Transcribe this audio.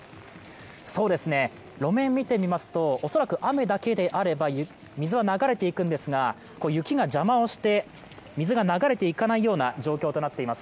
路面見てみますと恐らく雨だけであれば水は流れていくんですが、雪が邪魔をして、水が流れていかないような状況となっています。